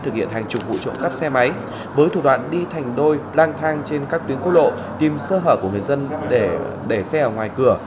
thực hiện hàng chục vụ trộm cắp xe máy với thủ đoạn đi thành đôi lang thang trên các tuyến quốc lộ tìm sơ hở của người dân để xe ở ngoài cửa